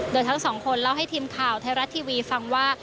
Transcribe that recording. โดยทั้งสองคนเล่าให้ทีมข่าวไทยรัฐทีวีฟังว่า